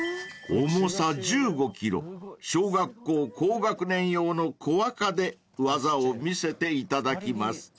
［重さ１５ｋｇ小学校高学年用の小若で技を見せていただきます］